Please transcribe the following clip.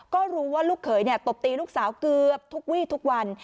ก็รู้ว่าลูกเขยตบตีลูกสาวเกือบทุกวี่ทุกวัน